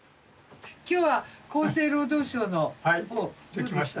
今日は厚生労働省のほうどうでした？